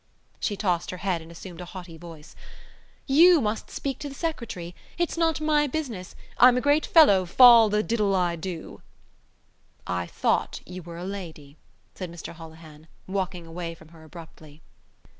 She tossed her head and assumed a haughty voice: "You must speak to the secretary. It's not my business. I'm a great fellow fol the diddle I do." "I thought you were a lady," said Mr Holohan, walking away from her abruptly.